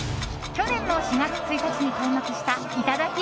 去年の４月１日に開幕したいただき！